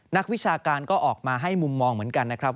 นักวิชาการก็ออกมาให้มุมมองเหมือนกันนะครับ